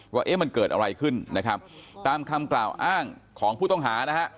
ว่าเอ๊ะมันเกิดอะไรขึ้นนะครับตามคำกล่าวอ้างของผู้ต้องหานะฮะ